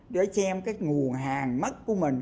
để xem cái nguồn hàng mất của mình